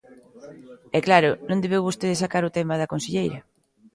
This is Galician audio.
E, claro, non debeu vostede sacar o tema da conselleira.